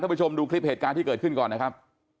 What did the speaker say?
ผู้ชมดูคลิปเหตุการณ์ที่เกิดขึ้นก่อนนะครับ